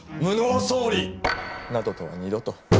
「無能総理」などとは二度と。